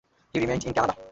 He remained in Canada.